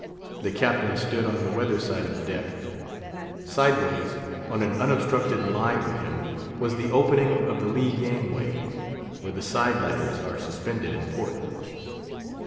The Captain stood on the weather side of the deck. Sideways, on an unobstructed line with him, was the opening of the lee gangway, where the side ladders are suspended in port.